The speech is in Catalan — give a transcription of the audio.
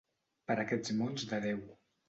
Per aquests mons de Déu.